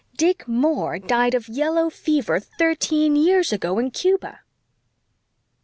Dick Moore died of yellow fever thirteen years ago in Cuba."